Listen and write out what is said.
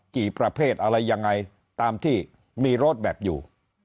ประเภทอะไรยังไงตามที่มีรถแบบอยู่